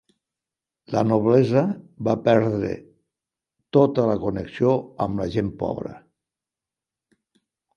La noblesa va perdre tota la connexió amb la gent pobra.